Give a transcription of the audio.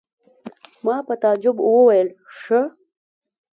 ما په تعجب وویل: ښه!